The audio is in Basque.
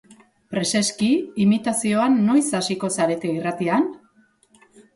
Preseski, imitazioan noiz hasiko zarete irratian?